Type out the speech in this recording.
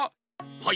はい。